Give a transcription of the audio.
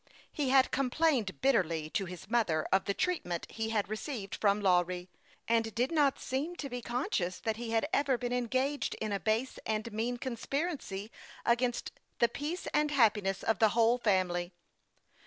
He had com plained bitterly to his mother of the treatment he had received from Lawry, and did not seem to be conscious that he had ever been engaged in a base and mean conspiracy against the peace and happi ness of the whole family.